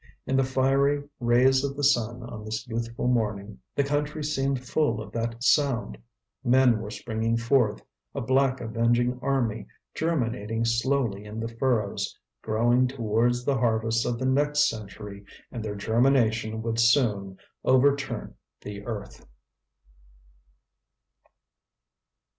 In the fiery rays of the sun on this youthful morning the country seemed full of that sound. Men were springing forth, a black avenging army, germinating slowly in the furrows, growing towards the harvests of the next century, and their germination would soon overturn the earth.